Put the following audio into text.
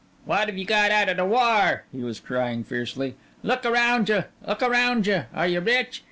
" What have you got outa the war?" he was crying fiercely. "Look arounja, look arounja! Are you rich?